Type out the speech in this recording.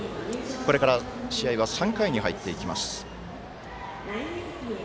これから試合は３回に入っていきます。